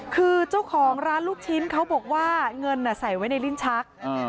คือเจ้าของร้านลูกชิ้นเขาบอกว่าเงินใส่ไว้ในลิ้นชัก